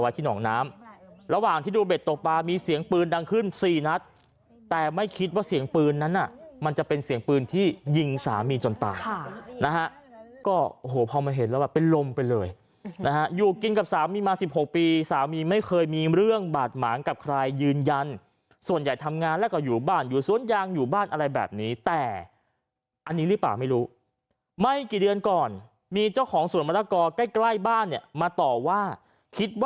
ไว้ที่หนองน้ำระหว่างที่ดูเบ็ดตกปลามีเสียงปืนดังขึ้น๔นัดแต่ไม่คิดว่าเสียงปืนนั้นน่ะมันจะเป็นเสียงปืนที่ยิงสามีจนต่างนะฮะก็โอ้โหพอมันเห็นแล้วแบบเป็นลมไปเลยนะฮะอยู่กินกับสามีมา๑๖ปีสามีไม่เคยมีเรื่องบาดหมางกับใครยืนยันส่วนใหญ่ทำงานแล้วก็อยู่บ้านอยู่สวนยางอยู่บ้านอะไรแบบนี้แต่อันนี้รึเป